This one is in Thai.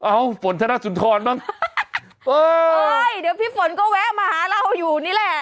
อ้าวฝนท่านหน้าสุนทรบ้างโอ๊ยเดี๋ยวพี่ฝนก็แวะมาหาเราอยู่นี่แหละ